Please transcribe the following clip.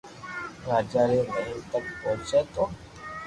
راجا ري مھل تڪ پوچي تو